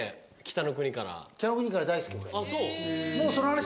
『北の国から』